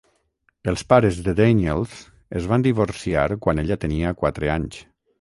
Els pares de Daniels es van divorciar quan ella tenia quatre anys.